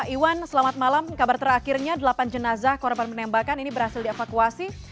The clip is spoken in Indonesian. iwan selamat malam kabar terakhirnya delapan jenazah korban penembakan ini berhasil dievakuasi